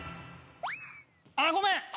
あっごめん！